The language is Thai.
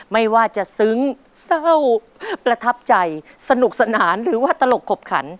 ไม่ว่าจะซึ้งเศร้าประทับใจสนุกสนานหรือว่าตลกขบขัน